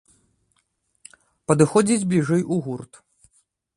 Падыходзіць бліжэй у гурт.